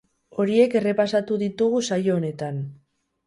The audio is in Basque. Horiek errepasatu ditugu saio honetan.